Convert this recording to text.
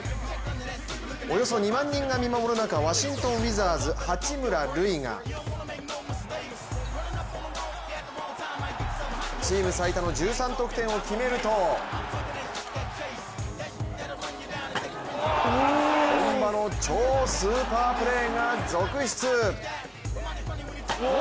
およそ２万人が見守る中ワシントン・ウィザーズ八村塁がチーム最多の１３得点を決めると本場の超スーパープレーが続出。